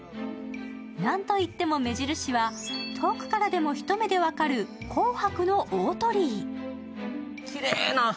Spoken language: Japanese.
なんといっても目印は遠くからでも一目で分かる紅白の大鳥居。